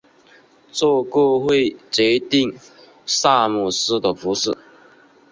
这个会决定萨姆斯的服饰。